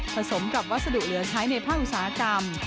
สมกับวัสดุเหลือใช้ในภาคอุตสาหกรรม